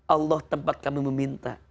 allah tempat kami meminta